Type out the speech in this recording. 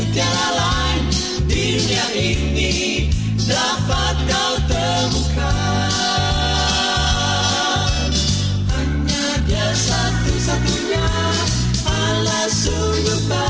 tiada lain di dunia ini dapat kau temukan